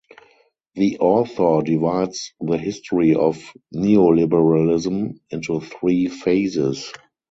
The author divides the history of neoliberalism into three phases.